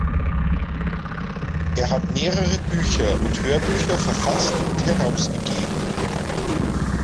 Er hat mehrere Bücher und Hörbücher verfasst und herausgegeben.